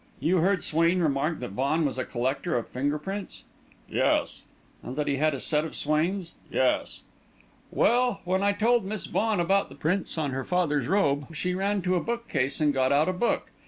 You heard Swain remark that Vaughan was a collector of finger prints?" "Yes." "And that he had a set of Swain's?" "Yes." "Well, when I told Miss Vaughan about the prints on her father's robe, she ran to a book case and got out a book.